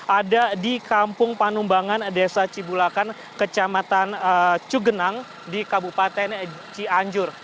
ada di kampung panumbangan desa cibulakan kecamatan cugenang di kabupaten cianjur